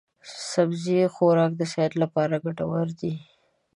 سبزي خوراک د صحت لپاره ډېر ګټور دی.